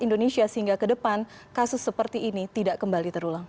indonesia sehingga ke depan kasus seperti ini tidak kembali terulang